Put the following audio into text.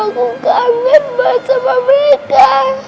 aku kaget banget sama mereka